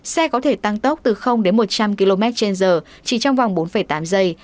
xe có thể tăng tốc từ đến một trăm linh km trên giờ chỉ trong vòng bốn tám giây